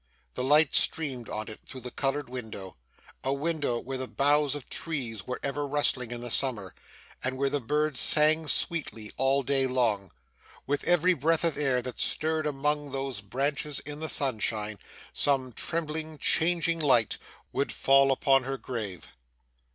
The light streamed on it through the coloured window a window, where the boughs of trees were ever rustling in the summer, and where the birds sang sweetly all day long. With every breath of air that stirred among those branches in the sunshine, some trembling, changing light, would fall upon her grave.